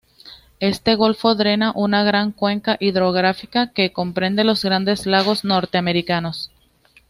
Este golfo drena una gran cuenca hidrográfica que comprende los Grandes Lagos norteamericanos.